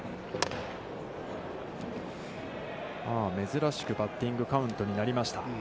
珍しくバッティングカウントになりました。